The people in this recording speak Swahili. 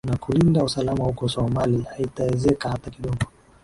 na kulinda usalama huko somali haitaezeka hata kidiogo